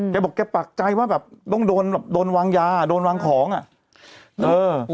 นายนาโรมานอฟกูต้องยอมเลยวันนี้